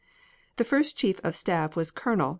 The first Chief of Staff was Col.